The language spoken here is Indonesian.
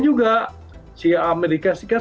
juga si amerika serikat